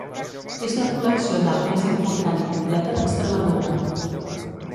És la col·lecció d'art més important i completa d'Extremadura.